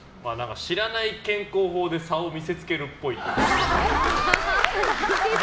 知らない健康法で差を見せつけるっぽい。